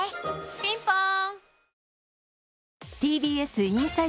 ピンポーン